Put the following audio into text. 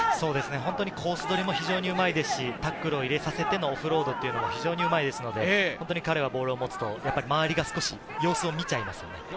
本当にコース取りも非常にうまいですし、タックルを入れさせてのオフロードが非常にうまいですので、彼がボールを持つと周りが少し様子を見ちゃいます。